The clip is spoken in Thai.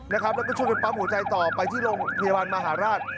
แล้วก็ช่วยกันปั๊มหัวใจต่อไปที่โรงพยาบาลมหาราช